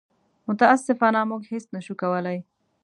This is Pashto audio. متاسفانه موږ هېڅ نه شو کولی.